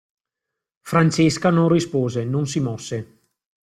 Francesca non rispose, non si mosse.